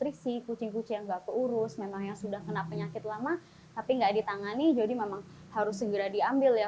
ini memang nutrisi kucing kucing yang gak keurus memang yang sudah kena penyakit lama tapi gak ditangani jadi memang harus segera diambil ya